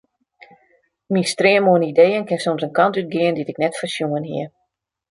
Myn stream oan ideeën kin soms in kant útgean dy't ik net foarsjoen hie.